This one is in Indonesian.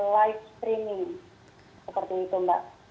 live streaming seperti itu mbak